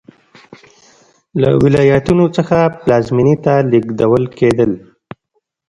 له ولایتونو څخه پلازمېنې ته لېږدول کېدل